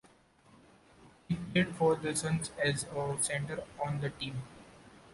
He played for the Suns as a center on the team.